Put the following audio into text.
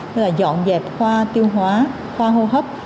như là dọn dẹp khoa tiêu hóa khoa hô hấp